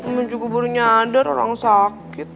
emang juga baru nyadar orang sakit